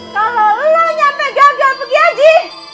kalau lo nyampe gagal pergi haji